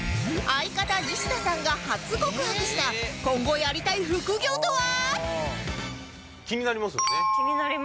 相方西田さんが今後やりたい副業とは？